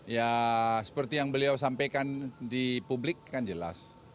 ya seperti yang beliau sampaikan di publik kan jelas